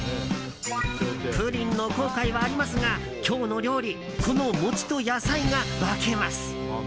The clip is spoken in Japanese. プリンの後悔はありますが今日の料理この餅と野菜が化けます。